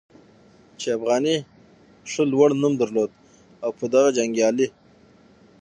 چې افغاني شل لوړ نوم درلود او په دغه جنګیالي